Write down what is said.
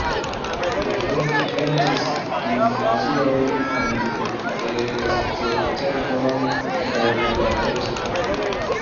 Li frekventis gimnaziojn en Esztergom kaj Budapeŝto.